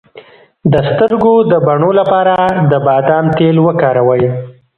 د سترګو د بڼو لپاره د بادام تېل وکاروئ